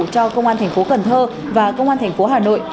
cho công an thành phố cần thơ và công an thành phố hà nội